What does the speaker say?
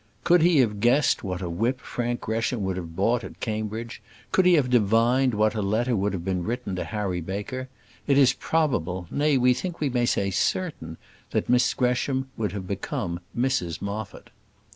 Could he have guessed what a whip Frank Gresham would have bought at Cambridge could he have divined what a letter would have been written to Harry Baker it is probable, nay, we think we may say certain, that Miss Gresham would have become Mrs Moffat.